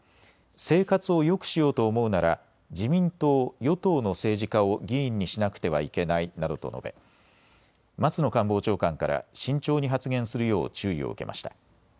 生活をよくしようと思うなら自民党、与党の政治家を議員にしなくてはいけないなどと述べ松野官房長官から慎重に発言するよう注意を受けました。